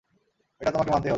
এটা তোমাকে মানতেই হবে।